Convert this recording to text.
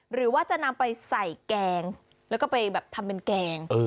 หรือว่าจะนำไปใส่แกงแล้วก็ไปแบบทำเป็นแกง